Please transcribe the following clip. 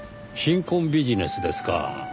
貧困ビジネスですか。